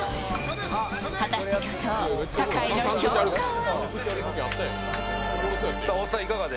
果たして、巨匠・酒井の評価は？